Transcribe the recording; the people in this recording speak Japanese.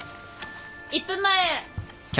１分前。